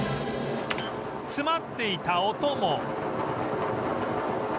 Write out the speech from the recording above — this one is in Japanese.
詰まっていた音も